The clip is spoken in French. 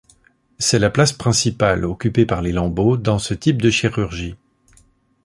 C'est la place principale occupée par les lambeaux dans ce type de chirurgie.